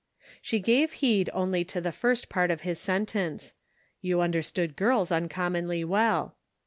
She gave heed only to the first part of his sentence :" You understood girls uncommonly well."